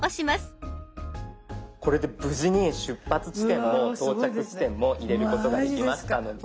これで無事に出発地点と到着地点も入れることができましたので。